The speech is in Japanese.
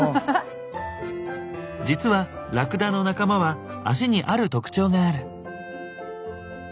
実はラクダの仲間は足にある特徴がある。